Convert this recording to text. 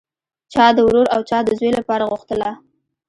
چا د ورور او چا د زوی لپاره غوښتله